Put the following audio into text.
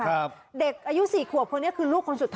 เด็กอายุสี่ขวบคนนี้คือลูกคนสุดท้าย